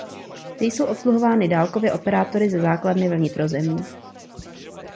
Ty jsou obsluhovány dálkově operátory ze základny ve vnitrozemí.